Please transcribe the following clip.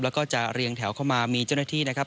แล้วก็จะเรียงแถวเข้ามามีเจ้าหน้าที่นะครับ